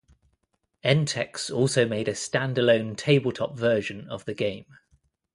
Entex also made a standalone tabletop version of the game.